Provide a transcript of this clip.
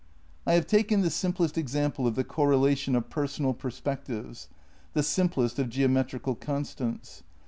I have taken the simplest example of the correlation of personal perspectives, the simplest of geometrical constants.